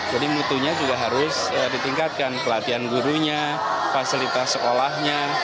jadi mutunya juga harus ditingkatkan pelatihan gurunya fasilitas sekolahnya